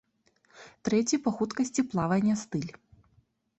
Трэці па хуткасці плавання стыль.